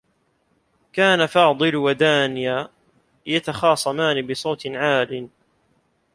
كانا فاضل و دانية يتخاصمان بصوت عال.